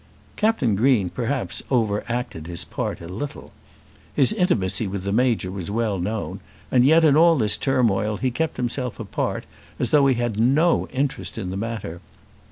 Captain Green perhaps over acted his part a little. His intimacy with the Major was well known, and yet, in all this turmoil, he kept himself apart as though he had no interest in the matter.